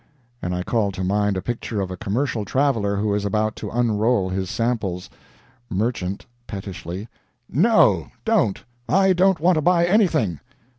And I call to mind a picture of a commercial traveler who is about to unroll his samples: MERCHANT (pettishly). NO, don't. I don't want to buy anything!